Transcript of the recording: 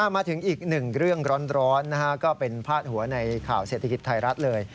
มาถึงอีกหนึ่งเรื่องร้อนก็เป็นพาดหัวในข่าวเศรษฐกิจไทยรัฐเลย